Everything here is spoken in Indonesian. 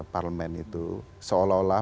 parlemen itu seolah olah